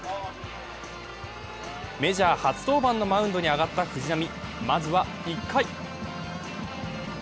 メジャー初登板のマウンドに上がった藤浪、まずは１回。